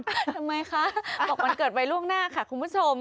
ทำไมคะบอกวันเกิดไว้ล่วงหน้าค่ะคุณผู้ชม